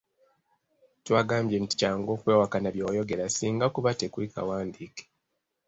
Twagambye nti kyangu okwewakana bye wayogera singa kuba tekuli kawandiike.